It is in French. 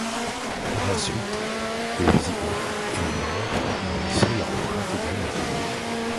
Par la suite, les wisigoths et les maures y ont laissé leur empreinte également.